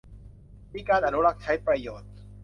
มีการอนุรักษ์ใช้ประโยชน์